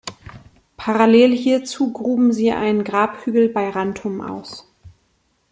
Parallel hierzu gruben sie einen Grabhügel bei Rantum aus.